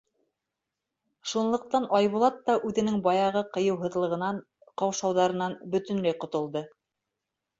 Шунлыҡтан Айбулат та үҙенең баяғы ҡыйыуһыҙлығынан, ҡаушауҙарынан бөтөнләй ҡотолдо.